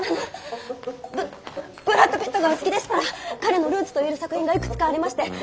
ブブラッド・ピットがお好きでしたら彼のルーツと言える作品がいくつかありまして中でも。